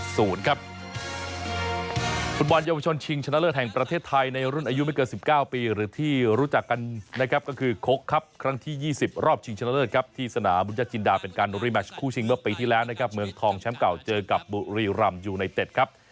ฟุตบอลเยาวชนชิงชนะเลิศแห่งประเทศไทยในรุ่นอายุไม่เกิน๑๙ปีหรือที่รู้จักกันนะครับก็คือคกครับครั้งที่๒๐รอบชิงชนะเลิศครับที่สนามบุญญจินดาเป็นการรีแมชคู่ชิงเมื่อปีที่แล้วนะครับเมืองทองแชมป์เก่าเจอกับบุรีรำยูไนเต็ดครับ